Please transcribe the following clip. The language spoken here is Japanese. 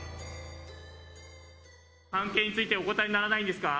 関係についてお答えにならないんですか？